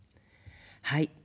はい。